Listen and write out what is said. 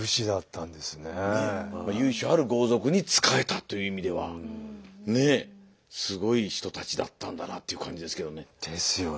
由緒ある豪族に仕えたという意味ではねえすごい人たちだったんだなという感じですけどね。ですよね。